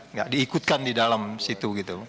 nggak diikutkan di dalam situ gitu